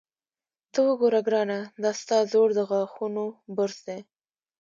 ته وګوره ګرانه، دا ستا زوړ د غاښونو برس دی.